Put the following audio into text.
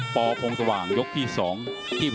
ปอพงศว่างยกที่๒